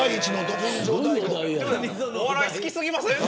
お笑い好き過ぎません。